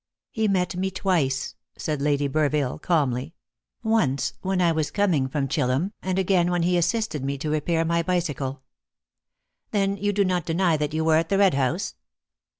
"He met me twice," said Lady Burville calmly; "once when I was coming from Chillum, and again when he assisted me to repair my bicycle." "Then you do not deny that you were at the Red House?"